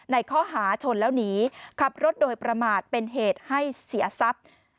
ในข้อหาชนแล้วหนีขับรถโดยประมาทเป็นเหตุให้เสียทรัพย์